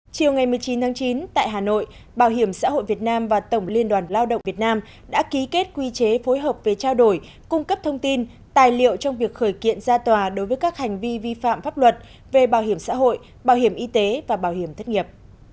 chiều ngày một mươi chín tháng chín tại hà nội bảo hiểm xã hội việt nam và tổng liên đoàn lao động việt nam đã ký kết quy chế phối hợp về trao đổi cung cấp thông tin tài liệu trong việc khởi kiện ra tòa đối với các hành vi vi phạm pháp luật về bảo hiểm xã hội bảo hiểm y tế và bảo hiểm thất nghiệp